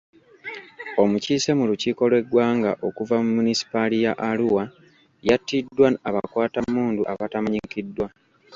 Omukiise mu lukiiko lw'eggwanga okuva mu Munisipaali ya Arua yatiddwa abakwatammundu abatamanyikiddwa.